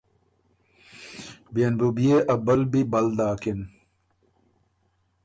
بيې ن بُو بيې ا بلبی بل داکِن۔